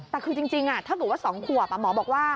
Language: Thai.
แต่คือจริงถ้าเกิดว่า๒ขวบหมอบอกว่า